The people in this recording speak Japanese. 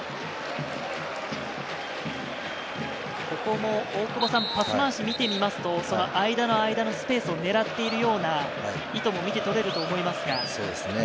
ここもパス回しを見てみますと、間のスペースを狙っているような意図も見て取れると思いますが。